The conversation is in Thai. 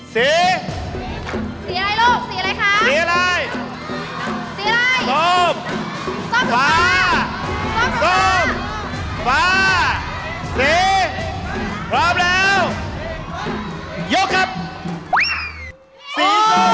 สี